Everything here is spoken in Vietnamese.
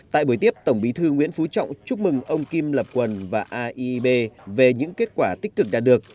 tại buổi tiếp tổng bí thư nguyễn phú trọng chúc mừng ông kim lập quần và aib về những kết quả tích cực đạt được